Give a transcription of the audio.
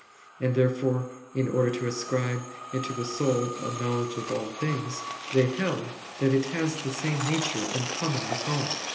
And therefore, in order to ascribe to the soul a knowledge of all things, they held that it has the same nature in common with all.